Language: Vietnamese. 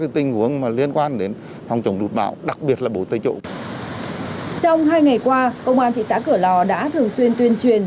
trong hai ngày qua công an thị xã cửa lò đã thường xuyên tuyên truyền